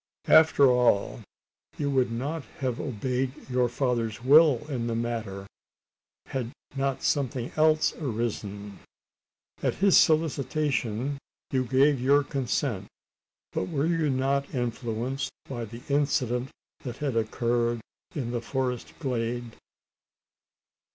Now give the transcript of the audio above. "After all, you would not have obeyed your father's will in the matter, had not something else arisen. At his solicitation, you gave your consent; but were you not influenced by the incident that had occurred in the forest glade?"